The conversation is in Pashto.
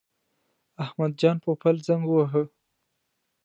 احمد جان پوپل زنګ وواهه.